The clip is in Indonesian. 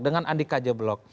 dengan andika jeblok